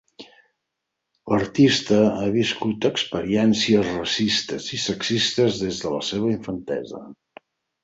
L’artista ha viscut experiències racistes i sexistes des de la seva infantesa.